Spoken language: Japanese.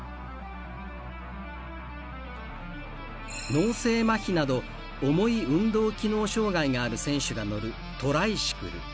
脳性まひなど重い運動機能障がいがある選手が乗るトライシクル。